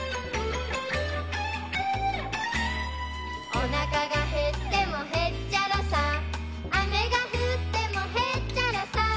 「おなかがへってもへっちゃらさ」「雨が降ってもへっちゃらさ」